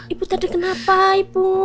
ibu tadi kenapa ibu